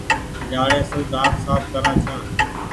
جآڙي سون ۮآنٿ ساڦ ڪرآن ڇآن ۔